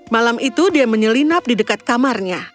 malam itu dia menyelinap di dekat kamarnya